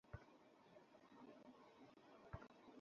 তাঁর বাড়ির সামনে একটা পিতলের ফলকে তাঁর নাম খোদাই করা রয়েছে।